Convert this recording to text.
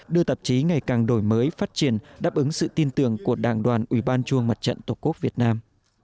đưa tạp chí ngày càng đổi mới phát triển đáp ứng sự tin tưởng của đảng đoàn ủy ban trung ương mặt trận tổ quốc việt nam